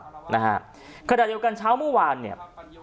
ขนาดเดียวกันเช้าเมื่อวานเนี่ย